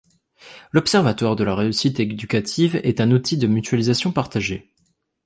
L’observatoire de la réussite éducative est un outil de mutualisation partagée.